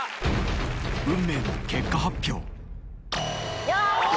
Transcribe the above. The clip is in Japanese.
運命の結果発表よし！